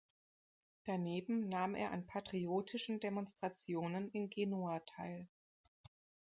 Daneben nahm er an patriotischen Demonstrationen in Genua teil.